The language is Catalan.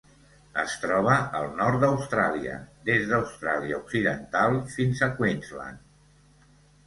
Es troba al nord d'Austràlia: des d'Austràlia Occidental fins a Queensland.